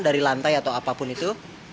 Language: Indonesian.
dari lantai atau apapun itu